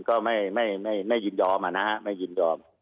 ก็ไม่ยินยอมนะครับไม่ยินยอม